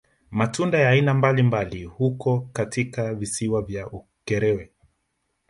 Matunda ya aina mabalimbali huko katika visiwa vya Ukerewe